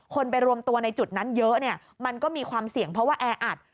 ไปรวมตัวในจุดนั้นเยอะเนี่ยมันก็มีความเสี่ยงเพราะว่าแออัด